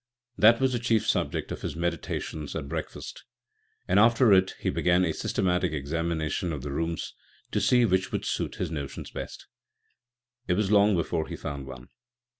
That was the chief subject of his meditations at breakfast, and after it he began a systematic examination of the rooms to see which would suit his notions best. It was long before he found one.